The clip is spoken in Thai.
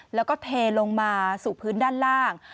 แล้วก็เทลงมาสู่พื้นด้านล่าง